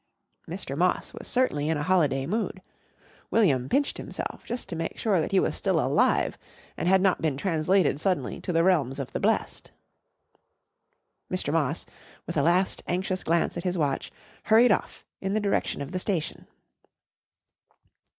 Mr. Moss was certainly in a holiday mood. William pinched himself just to make sure that he was still alive and had not been translated suddenly to the realms of the blest. Mr. Moss, with a last anxious glance at his watch, hurried off in the direction of the station.